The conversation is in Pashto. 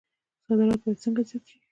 صادرات باید څنګه زیات شي؟